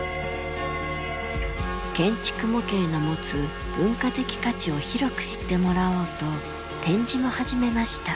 建築模型の持つ文化的価値を広く知ってもらおうと展示も始めました。